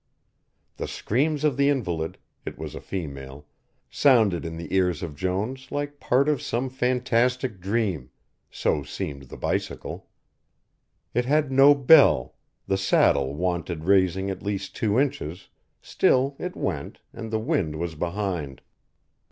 The screams of the invalid it was a female sounded in the ears of Jones like part of some fantastic dream, so seemed the bicycle. It had no bell, the saddle wanted raising at least two inches, still it went, and the wind was behind.